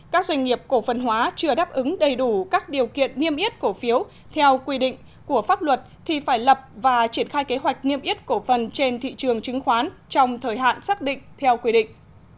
các doanh nghiệp cổ phần hóa chưa đáp ứng đầy đủ các điều kiện niêm yết cổ phiếu theo quy định của pháp luật thì phải lập và triển khai kế hoạch niêm yết cổ phần trên thị trường chứng khoán trong thời hạn xác định theo quy định